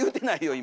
今！